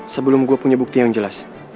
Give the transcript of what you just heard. sebelum gue punya bukti yang jelas